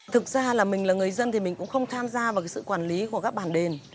thực ra là mình là người dân thì mình cũng không tham gia vào cái sự quản lý của các bản đền